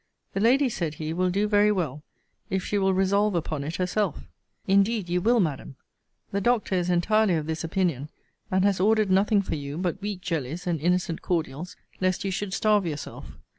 The lady, said he, will do very well, if she will resolve upon it herself. Indeed you will, Madam. The doctor is entirely of this opinion; and has ordered nothing for you but weak jellies and innocent cordials, lest you should starve yourself.